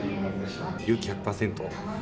「勇気１００％」